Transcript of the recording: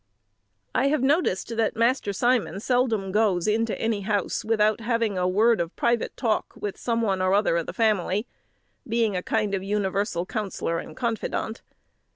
I have noticed that Master Simon seldom goes into any house without having a world of private talk with some one or other of the family, being a kind of universal counsellor and confidant.